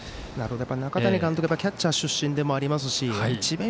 中谷監督はキャッチャー出身でもありますし智弁